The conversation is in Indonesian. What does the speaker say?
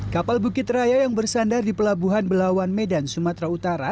kapal bukit raya yang bersandar di pelabuhan belawan medan sumatera utara